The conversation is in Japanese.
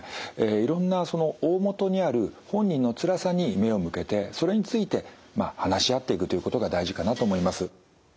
いろんなその大本にある本人のつらさに目を向けてそれについて話し合っていくということが大事かなと思います。